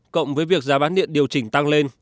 cộng với việc giá bán điện điều chỉnh tăng lên